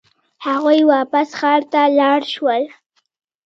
هغوی واپس ښار ته لاړ شول.